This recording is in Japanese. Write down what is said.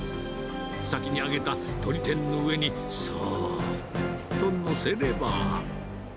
先に揚げた鶏天の上に、そうっと載せれば。